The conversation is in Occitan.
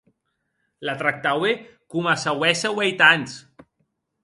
La tractaue coma s’auesse ueit ans.